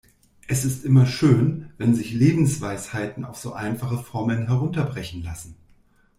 Es ist immer schön, wenn sich Lebensweisheiten auf so einfache Formeln herunterbrechen lassen.